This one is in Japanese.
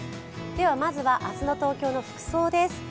ではまずは明日の東京の服装です。